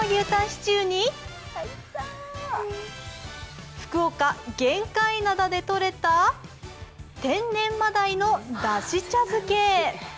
シチューに福岡・玄界灘でとれた天然真鯛のだし茶漬け。